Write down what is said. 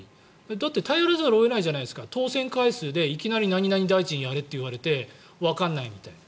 だって頼らざるを得ないじゃないですか当選回数でいきなり何々大臣やれと言われてわからないみたいな。